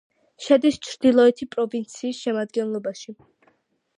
შედის ჩრდილოეთი პროვინციის შემადგენლობაში.